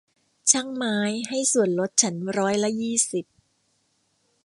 ช่างไม้ให้ส่วนลดฉันร้อยละยี่สิบ